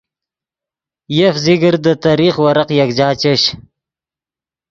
یف ذکر دے تریخ ورق یکجا چش